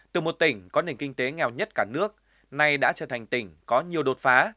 từ một tỉnh có nền kinh tế nghèo nhất cả nước nay đã trở thành tỉnh có nhiều đột phá